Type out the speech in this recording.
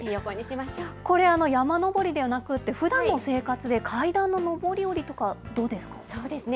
これ、山登りではなくて、ふだんの生活で階段の上り下りとか、どうですか？